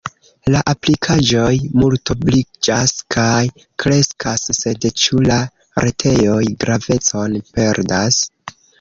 La aplikaĵoj multobliĝas kaj kreskas, sed ĉu la retejoj gravecon perdas?